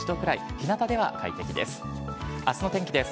ひなたでは快適です。